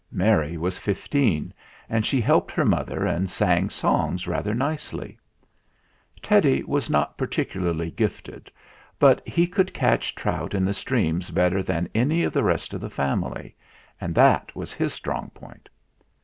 Mary was fifteen, and she helped her mother and sang songs rather nicely. Teddy was not particularly gifted, but he could catch trout in the streams better than any of the rest of the family, and that was his strong point.